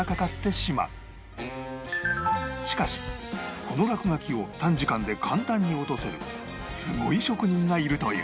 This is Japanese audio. しかしこの落書きを短時間で簡単に落とせるすごい職人がいるという